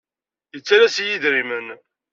Yettalas-iyi idrimen.